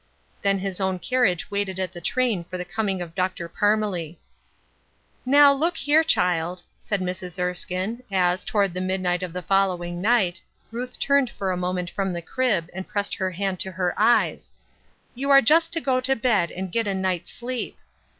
Then his own carriage waited at the train for the coming of Dr. Parmelee. " Now, look here, child," said Mrs. E.'skine, as, toward the midnight of the following night, Ruth turned for a moment fiom the crib and pressed her hand to her eyes, " you are just to go to bbd uad get a night's sleep.